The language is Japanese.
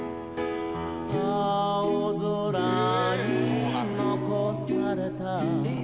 「青空に残された」